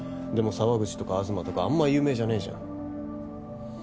でも澤口とか東とかあんまり有名じゃねぇじゃん。